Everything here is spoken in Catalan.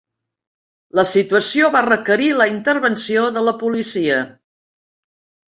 La situació va requerir la intervenció de la policia.